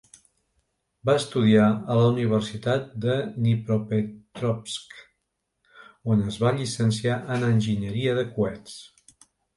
Va estudiar en la Universitat de Dnipropetrovsk, on es va llicenciar en enginyeria de coets.